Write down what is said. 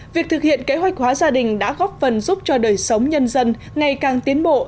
việc thực hiện kế hoạch hóa gia đình đã góp phần giúp cho đời sống nhân dân ngày càng tiến bộ